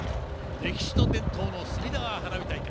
歴史と伝統の隅田川花火大会。